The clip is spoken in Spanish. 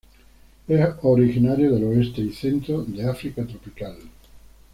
Es originario del oeste y centro de África tropical.